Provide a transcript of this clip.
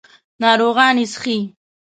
ناروغان یې څښي.